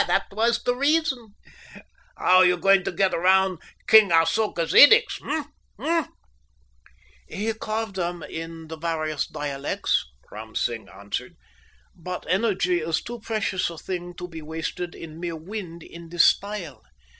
That was the reason. How are you going to get round King Asoka's edicts, eh?" "He carved them in the various dialects," Ram Singh answered. "But energy is too precious a thing to be wasted in mere wind in this style.